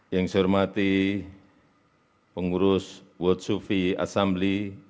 yang saya hormati pengurus bud sufi asambli